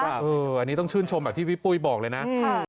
อันนี้ต้องชื่นชมแบบที่พี่ปุ้ยบอกเลยนะ